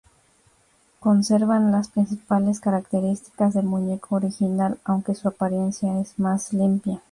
Conservan las principales características del muñeco original, aunque su apariencia es más limpia.